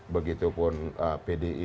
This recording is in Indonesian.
begitu pun pdi